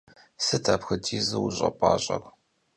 Sıt apxuedizu vuş'epaş'er?